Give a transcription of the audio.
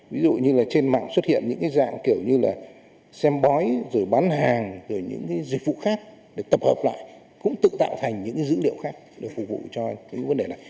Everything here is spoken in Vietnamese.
ví dụ như là trên mạng xuất hiện những dạng kiểu như là xem bói rồi bán hàng rồi những dịch vụ khác để tập hợp lại cũng tự tạo thành những dữ liệu khác để phục vụ cho cái vấn đề này